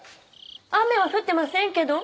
雨は降ってませんけど？